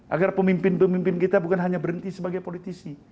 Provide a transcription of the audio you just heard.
agar pemimpin pemimpin kita bukan hanya berhenti sebagai politisi